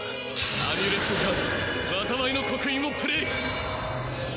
アミュレットカード災いの刻印をプレイ。